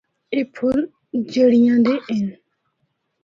اے پھُل جِڑّیاں دے ہن۔